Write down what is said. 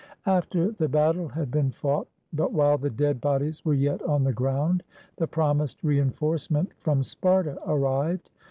After the battle had been fought, but while the dead bodies were yet on the ground, the promised reinforce ment from Sparta arrived.